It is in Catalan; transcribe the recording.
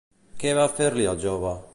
Què va fer-li al jove?